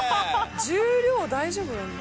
重量大丈夫なんだ。